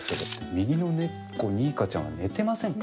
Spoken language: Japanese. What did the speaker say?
右の猫ニーカちゃんは寝てませんか？